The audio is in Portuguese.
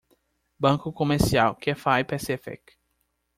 Banco Comercial Cathay Pacific